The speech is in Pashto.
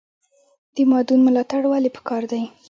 د مادون ملاتړ ولې پکار دی؟